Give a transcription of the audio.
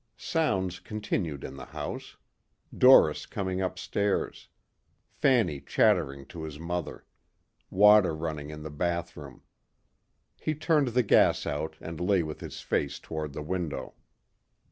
Sounds continued in the house. Doris coming upstairs. Fanny chattering to his mother. Water running in the bathroom. He turned the gas out and lay with his face toward the window.